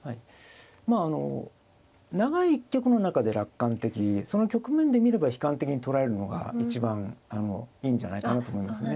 まああの長い一局の中で楽観的その局面で見れば悲観的に捉えるのが一番いいんじゃないかなと思いますね。